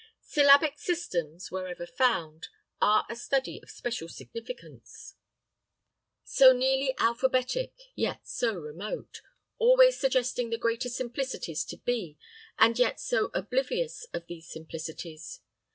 Syllabic systems, wherever found, are a study of special significance; so nearly alphabetic, yet so remote; always suggesting the greater simplicities to be, and yet so oblivious of these simplicities.